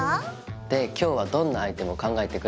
で今日はどんなアイテムを考えてくれたのかな？